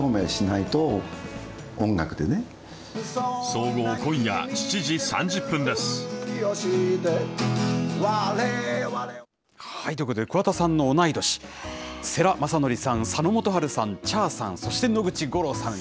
総合、今夜７時３０分です。ということで、桑田さんの同い年、世良公則さん、佐野元春さん、Ｃｈａｒさん、そして野口五郎さん。